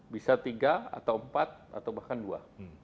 bisa tiga atau empat atau bahkan dua